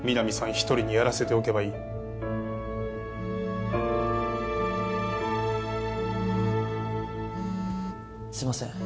一人にやらせておけばいいすいません